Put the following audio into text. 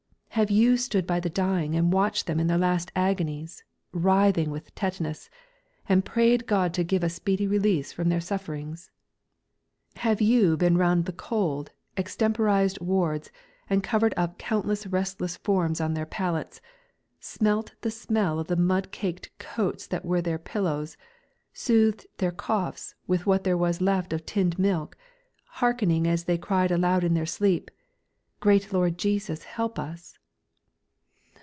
"Have you stood by the dying and watched them in their last agonies, writhing with tetanus, and prayed God to give a speedy release from their sufferings? "Have you been round the cold, extemporised wards and covered up countless restless forms on their pallets, smelt the smell of the mud caked coats that were their pillows, soothed their coughs with what there was left of tinned milk, hearkening as they cried aloud in their sleep: "'Great Lord Jesus, help us!'